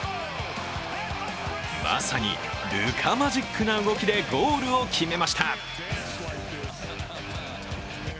まさに、ルカ・マジックな動きでゴールを決めました。